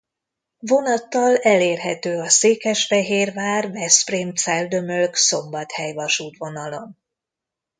Vonattal elérhető a Székesfehérvár–Veszprém–Celldömölk–Szombathely-vasútvonalon.